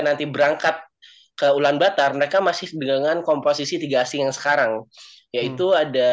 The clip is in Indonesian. nanti berangkat ke ulan batar mereka masih dengan komposisi tiga asing yang sekarang yaitu ada